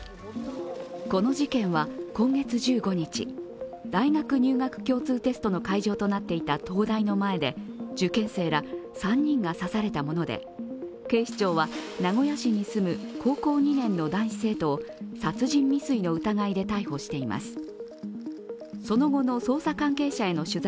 この事件は今月１５日大学入学共通テストの会場となっていた東大の前で受験生ら３人が刺されたもので警視庁は名古屋市に住む高校２年の男子生徒を殺人未遂の疑いで逮捕しています。